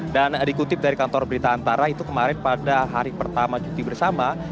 dan dikutip dari kantor berita antara itu kemarin pada hari pertama juti bersama